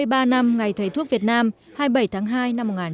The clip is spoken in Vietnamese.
nhân dịp sáu mươi ba năm ngày thấy thuốc việt nam hai mươi bảy tháng hai năm ngoái